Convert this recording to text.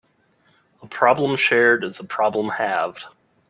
A problem shared is a problem halved.